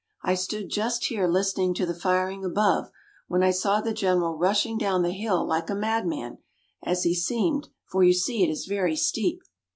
I stood just here listening to the firing above, when I saw the general rushing down the hill like a madman, as he seemed, for you see it is very steep.